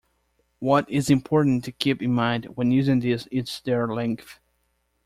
What is important to keep in mind when using these is their length.